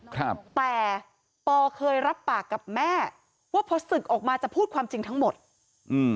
ครับแต่ปอเคยรับปากกับแม่ว่าพอศึกออกมาจะพูดความจริงทั้งหมดอืม